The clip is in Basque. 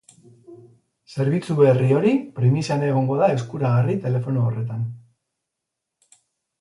Zerbitzu berri hori primizian egongo da eskuragarri telefono horretan.